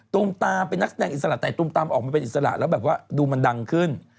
มตามเป็นนักแสดงอิสระแต่ตุมตามออกมาเป็นอิสระแล้วแบบว่าดูมันดังขึ้น